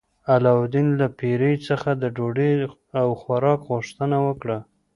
علاوالدین له پیري څخه د ډوډۍ او خوراک غوښتنه وکړه.